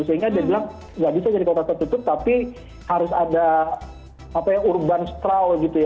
sehingga dia bilang nggak bisa jadi kota tertutup tapi harus ada urban straw gitu ya